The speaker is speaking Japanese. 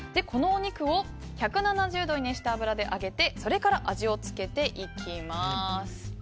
このお肉を１７０度にした油で揚げてそれから味をつけていきます。